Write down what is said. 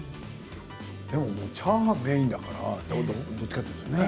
でもチャーハンがメインだからね。